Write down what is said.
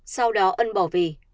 sau đó ân bỏ về